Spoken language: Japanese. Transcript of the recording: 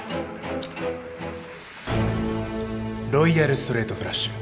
ロイヤルストレートフラッシュ。